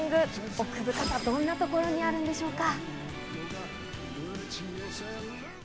奥深さ、どんなところにあるんでしょうか？